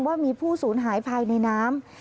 ว่ามีผู้สูญหายภายในน้ำ